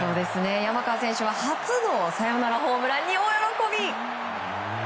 山川選手は初のサヨナラホームランに大喜び！